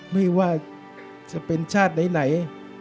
ไม่ว่าจะเป็นชาติไหน